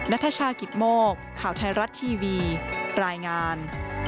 ทชากิตโมกข่าวไทยรัฐทีวีรายงาน